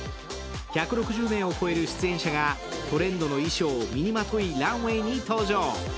１６０名を超える出演者がトレンドの衣装を身にまといランウエーに登場。